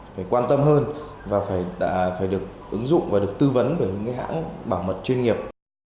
phải quan tâm hơn và phải được ứng dụng và được tư vấn bởi những hãng bảo mật chuyên nghiệp